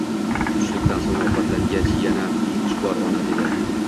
Tushlikdan so'ng, ovqatlangach yana o'qish bor, ona, — dedi.